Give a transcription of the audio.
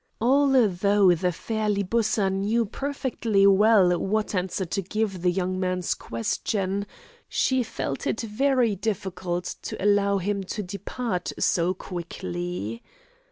Although the fair Libussa knew perfectly well what answer to give to the young man's question, she felt it very difficult to allow him to depart so quickly.